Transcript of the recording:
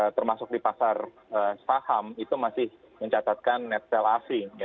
termasuk di pasar saham itu masih mencatatkan netzel asing